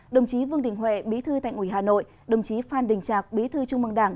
đồng chí vương đình huệ bí thư thành ủy hà nội đồng chí phan đình trạc bí thư trung mương đảng